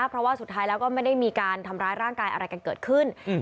เพราะว่าสุดท้ายแล้วก็ไม่ได้มีการทำร้ายร่างกายอะไรกันเกิดขึ้น